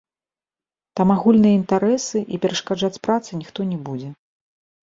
Там агульныя інтарэсы, і перашкаджаць працы ніхто не будзе.